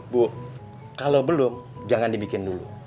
bu kalau belum jangan dibikin dulu